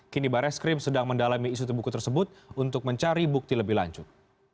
kini barreskrim sedang mendalami isu buku tersebut untuk mencari bukti lebih lanjut